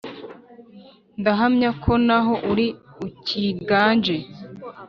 Ndahamya ko naho uri ukiganje